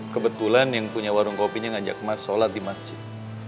kebetulan yang punya warung kopinya ngajak mas sholat di masjid